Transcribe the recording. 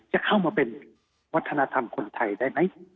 จะเข้ามาเป็นวัฒนธรรมคนไทยได้ไหม